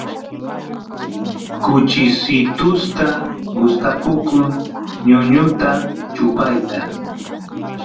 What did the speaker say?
kuchisitusta gustapukun ñuñuta chupayta